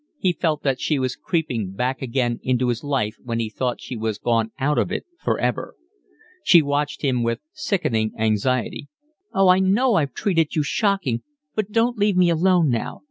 He felt that she was creeping back again into his life when he thought she was gone out of it for ever. She watched him with sickening anxiety. "Oh, I know I've treated you shocking, but don't leave me alone now.